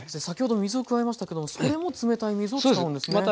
先ほど水を加えましたけどもそれも冷たい水を使うんですね。